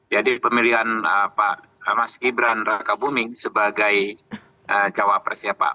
jadi pemilihan pak mas gibran raka bubing sebagai jawabannya pak